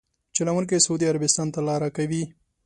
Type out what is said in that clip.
چلونکي سعودي عربستان ته لاره کوي.